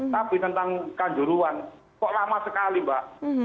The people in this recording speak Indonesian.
tapi tentang kanjuruan kok lama sekali mbak